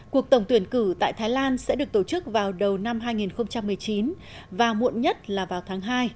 cuộc tổng tuyển cử tại thái lan sẽ được tổ chức vào đầu năm hai nghìn một mươi chín và muộn nhất là vào tháng hai